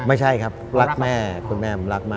ไม่ใช่ครับรักแม่คุณแม่มันรักมาก